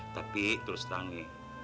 tapi terus tangi